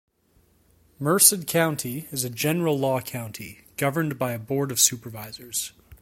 Merced County is a general law county, governed by a Board of Supervisors.